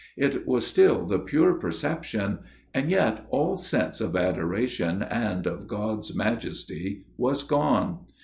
It was still the pure perception, and yet all sense of adoration and of God's Majesty was gone.